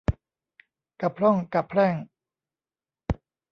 กะพร่องกะแพร่ง